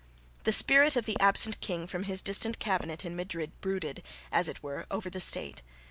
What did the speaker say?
The spirit of the absent king from his distant cabinet in Madrid brooded, as it were, over the land.